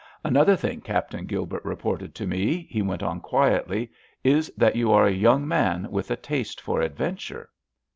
Another thing Captain Gilbert reported to me," he went on, quietly, "is that you are a young man with a taste for adventure."